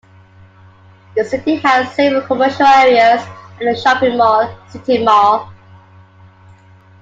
The city has several commercial areas and a shopping mall, City Mall.